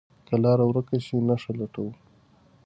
که لاره ورکه شي، نښه لټو.